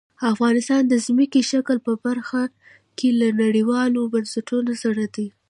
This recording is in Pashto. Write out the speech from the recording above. افغانستان د ځمکني شکل په برخه کې له نړیوالو بنسټونو سره دی.